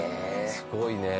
すごいねえ。